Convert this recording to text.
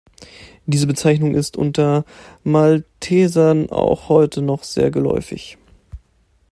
Diese Bezeichnung ist unter Maltesern auch heute noch sehr geläufig.